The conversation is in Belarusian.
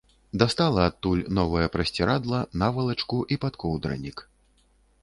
Дастала адтуль новае прасцірадла, навалачку і падкоўдранік.